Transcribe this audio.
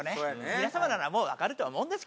皆様ならもう分かると思うんですけども。